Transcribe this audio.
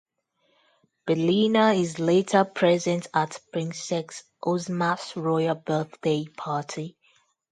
Billina is later present at Princess Ozma's royal birthday party.